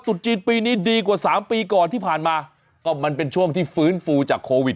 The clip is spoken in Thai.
จีนปีนี้ดีกว่าสามปีก่อนที่ผ่านมาก็มันเป็นช่วงที่ฟื้นฟูจากโควิด